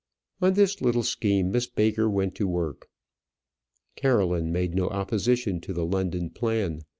On this little scheme Miss Baker went to work. Caroline made no opposition to the London plan.